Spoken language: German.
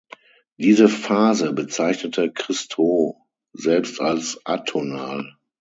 Diese Phase bezeichnete Christou selbst als atonal.